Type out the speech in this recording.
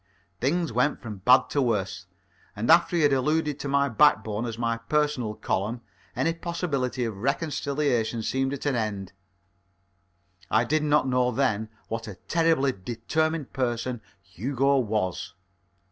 Things went from bad to worse, and after he had alluded to my backbone as my Personal Column, any possibility of reconciliation seemed at an end. I did not know then what a terribly determined person Hugo was.